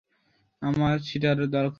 আমার সেটারও দরকার নেই।